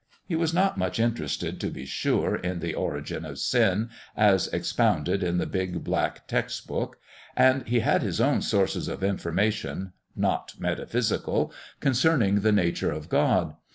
He was not much interested, to be sure, in the origin of sin, as expounded in the big, black text book ; and he had his own sources of information (not met aphysical) concerning the nature of God.